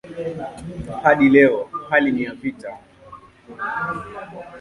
Hadi leo hali ni ya vita.